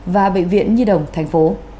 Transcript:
và bệnh viện nhi đồng tp